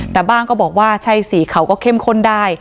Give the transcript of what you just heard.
แต่บ้างก็บอกว่าใช่สิเขาก็เข้มข้นได้